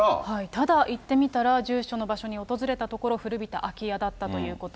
ただ行ってみたら、住所の場所に訪れたところ、古びた空き家だったということ。